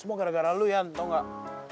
semua gara gara lo ian tau gak